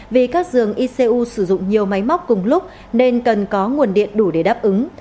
vì các giường icu sử dụng nhiều máy móc cùng lúc nên cần có nguồn điện đủ để đáp ứng